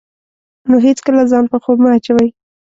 نو هېڅکله ځان په خوب مه اچوئ.